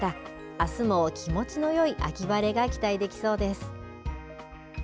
あすも気持ちのよい秋晴れが期待できそうです。